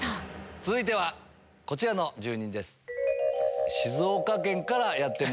続いてはこちらの住人です。